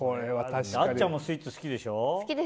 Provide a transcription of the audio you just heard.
あっちゃんもスイーツ好きでしょ。